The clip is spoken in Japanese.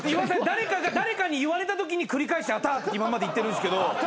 誰かが誰かに言われたときに繰り返しアタックって今までいってるんすけど。